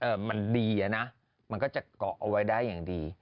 มันดีอะนะมันก็จะเกาะเอาไว้ได้อย่างดี